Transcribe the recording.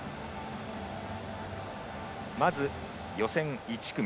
まず予選１組。